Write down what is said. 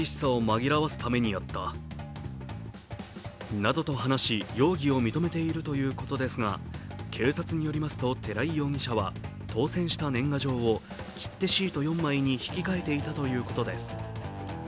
などと話し、容疑を認めているということですが警察によりますと、寺井容疑者は当選した年賀状を切手シート４枚に引き換えていたということです。